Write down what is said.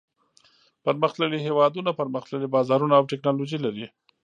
پرمختللي هېوادونه پرمختللي بازارونه او تکنالوجي لري.